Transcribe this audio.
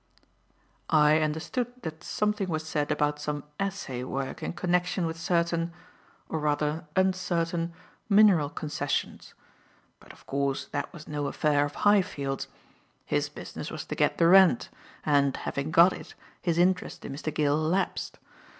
"I understood that something was said about some assay work in connection with certain or rather uncertain mineral concessions. But of course that was no affair of Highfield's. His business was to get the rent, and, having got it, his interest in Mr. Gill lapsed.